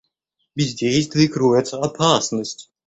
В бездействии кроется опасность.